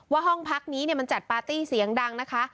ห้องพักนี้มันจัดปาร์ตี้เสียงดังนะคะ